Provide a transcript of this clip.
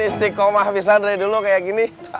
istiqomah pisah dari dulu kaya gini